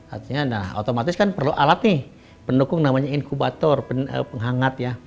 artinya nah otomatis kan perlu alat nih pendukung namanya inkubator penghangat ya